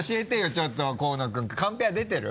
ちょっと河野君カンペは出てる？